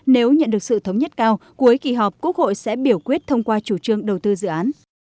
nếu nhận được sự thống nhất cao cuối kỳ họp quốc hội sẽ biểu quyết thông qua chủ trương đầu tư dự án